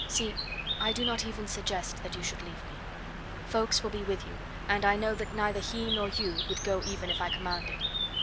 "See I do not even suggest that you should leave me. Ffoulkes will be with you, and I know that neither he nor you would go even if I commanded.